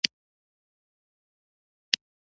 د پیرودونکي غوښتنه باید په مهارت پوره شي.